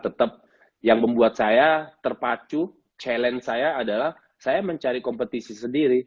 tetap yang membuat saya terpacu challenge saya adalah saya mencari kompetisi sendiri